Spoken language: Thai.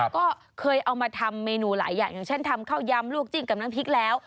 ก็เคยเอามาทำเมนูหลายอย่างอย่างเช่นทำข้าวยำลวกจิ้มกับน้ำพริกแล้ว